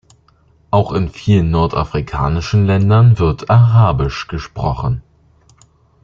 Auch in vielen nordafrikanischen Ländern wird arabisch gesprochen.